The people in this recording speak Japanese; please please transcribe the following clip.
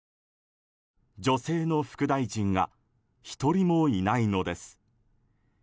女性の副大臣が１人もいないのです。